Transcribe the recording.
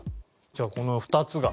じゃあこの２つが。